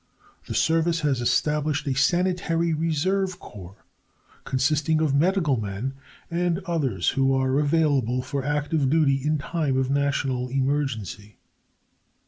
The Service has established a Sanitary Reserve Corps, consisting of medical men and others who are available for active duty in time of national emergency.